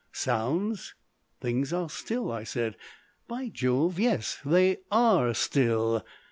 "Sounds?" "Things are still," I said. "By Jove! yes! They ARE still.